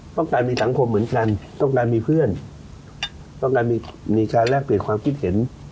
ต้องการมีสังคมเหมือนกันต้องการมีเพื่อนต้องการมีการแลกเปลี่ยนความคิดเห็น